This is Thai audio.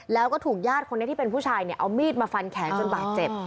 แล้วก็ถูกยาดคนที่เป็นผู้ชายเอามีดมาฟันแขนจนปากเจ็บ